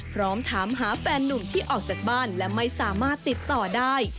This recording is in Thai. พร้อมถามหาแฟนนุ่มที่ออกจากบ้านและไม่สามารถติดต่อได้